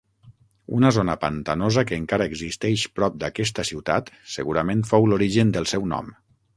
Una zona pantanosa que encara existeix prop d'aquesta ciutat segurament fou l'origen del seu nom.